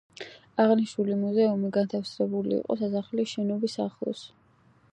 აღნიშნული მუზეუმი განთავსებული იყო სასახლის შენობის ახლოს.